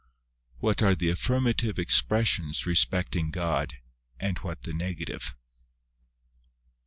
What are the affirmative expressions respecting God, and what the negative.